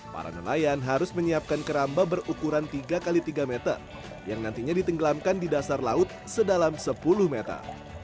para nelayan harus menyiapkan keramba berukuran tiga x tiga meter yang nantinya ditenggelamkan di dasar laut sedalam sepuluh meter